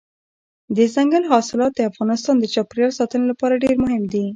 دځنګل حاصلات د افغانستان د چاپیریال ساتنې لپاره ډېر مهم دي.